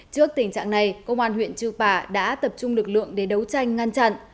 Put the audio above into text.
trước tình trạng này công an huyện chư pả đã tập trung lực lượng để đấu tranh ngăn chặn